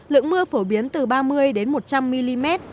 lượng mưa phổ biến từ ba mươi đến một trăm linh m ba